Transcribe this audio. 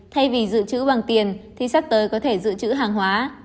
thay vì dự trữ bằng tiền thì sắp tới có thể dự trữ hàng hóa